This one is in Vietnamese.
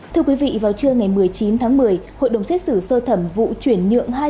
thưa quý vị vào trưa ngày một mươi chín tháng một mươi hội đồng xét xử sơ thẩm vụ chuyển nhượng